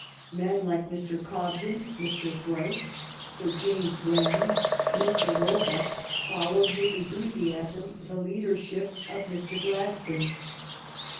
Men like Mr. Cobden, Mr. Bright, Sir James Graham, Mr. Roebuck, followed with enthu siasm the leadership of Mr. Gladstone.